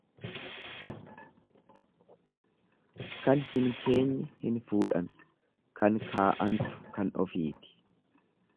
Kan hin keenye hin fuudhan kan kaa'antu kan ofiiti.